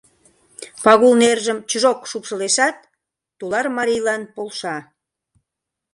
Пагул нержым чжок шупшылешат, тулар марийлан полша: